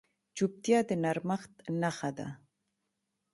چوپتیا، د نرمښت نښه ده.